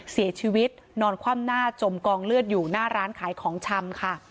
เสียชีวิตนอนคว่ำหน้าจมกองเลือดอยู่หน้าร้านขายของชำค่ะ